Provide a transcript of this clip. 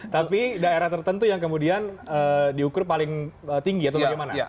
tapi daerah tertentu yang kemudian diukur paling tinggi atau bagaimana